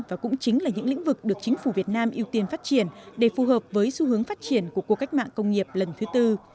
và cũng chính là những lĩnh vực được chính phủ việt nam ưu tiên phát triển để phù hợp với xu hướng phát triển của cuộc cách mạng công nghiệp lần thứ tư